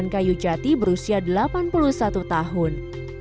dan kayu jati berusia delapan puluh satu tahun